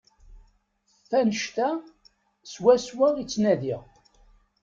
F annect-a swaswa i ttnadiɣ.